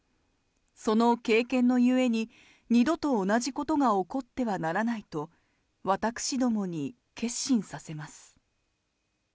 その経験のゆえに、二度と同じことが起こってはならないと、私どもに決心させます。